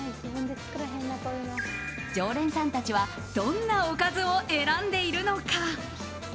常連さんたちはどんなおかずを選んでいるのか？